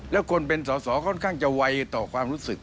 แล้วคนเป็นสอสอค่อนข้างจะไวต่อความรู้สึก